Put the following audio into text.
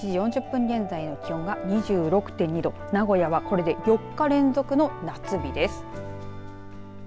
午後１時４０分現在気温が２６．２度名古屋はこれで４日連続の夏日です。